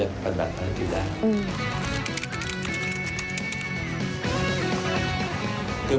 ก็จะเป็นภารกิจแรก